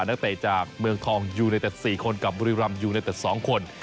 นักเตะจากเมืองทองอยู่ในแต่สี่คนกับบุรีรัมย์อยู่ในแต่สองคน